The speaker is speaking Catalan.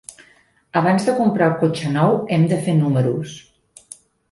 Abans de comprar el cotxe nou, hem de fer números.